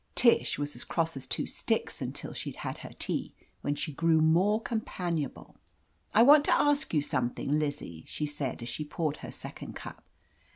Tish was as cross as two sticks 73 THE AMAZING ADVENTURES until she'd had her tea, when she grew more companionable. "I want to ask you something, Lizzie," she said as she poured her second cup.